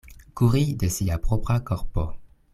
Kuri de sia propra korpo.